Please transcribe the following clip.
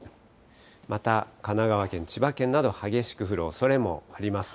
また神奈川県、千葉県など激しく降るおそれもあります。